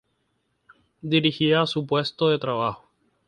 Se dirigía a su puesto de trabajo.